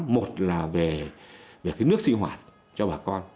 một là về nước sinh hoạt cho bà con